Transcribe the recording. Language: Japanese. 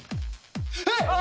えっ？